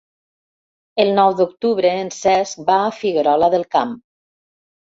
El nou d'octubre en Cesc va a Figuerola del Camp.